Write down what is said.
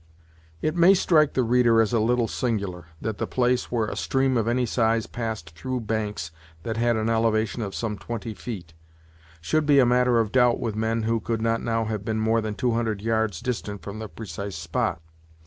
It may strike the reader as a little singular, that the place where a stream of any size passed through banks that had an elevation of some twenty feet, should be a matter of doubt with men who could not now have been more than two hundred yards distant from the precise spot.